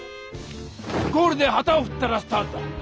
ゴールではたをふったらスタートだ！